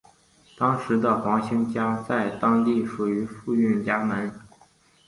当时的黄兴家在当地属于富裕家门。